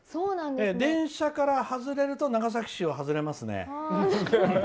電車から外れると長崎市は外れますね。